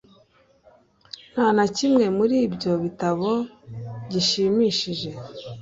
Nta na kimwe muri ibyo bitabo gishimishije